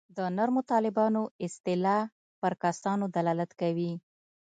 د نرمو طالبانو اصطلاح پر کسانو دلالت کوي.